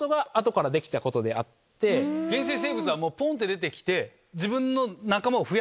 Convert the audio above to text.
原生生物はぽんって出てきて。